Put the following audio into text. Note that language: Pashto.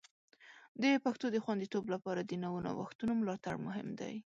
د پښتو د خوندیتوب لپاره د نوو نوښتونو ملاتړ مهم دی.